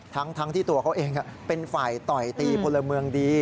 ทั้งที่ตัวเขาเองเป็นฝ่ายต่อยตีพลเมืองดี